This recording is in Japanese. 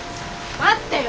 待ってよ！